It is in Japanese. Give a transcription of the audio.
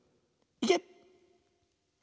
いけ！